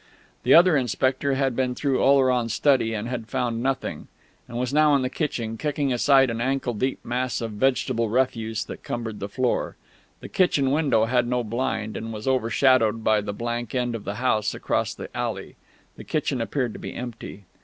The other inspector had been through Oleron's study and had found nothing, and was now in the kitchen, kicking aside an ankle deep mass of vegetable refuse that cumbered the floor. The kitchen window had no blind, and was over shadowed by the blank end of the house across the alley. The kitchen appeared to be empty.